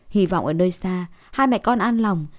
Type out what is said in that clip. hai mẹ con an lòng